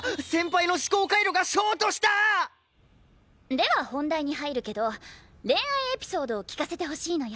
では本題に入るけど恋愛エピソードを聞かせてほしいのよ。